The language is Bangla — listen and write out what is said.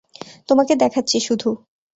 তোমাকে দেখাচ্ছি শুধু।